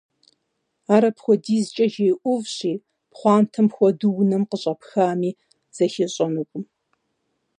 Ар апхуэдизкӏэ жей ӏувщи, пхъуантэм хуэдэу унэм къыщӏэпхами, зыхищӏэнукъым.